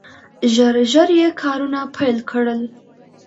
ژر ژر یې کارونه پیل کړل.